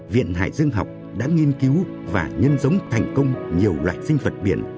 viện hải dương học đã nghiên cứu và nhân giống thành công nhiều loài sinh vật biển